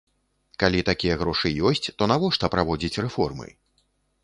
Калі такія грошы ёсць, то навошта праводзіць рэформы?